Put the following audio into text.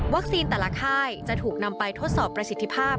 แต่ละค่ายจะถูกนำไปทดสอบประสิทธิภาพ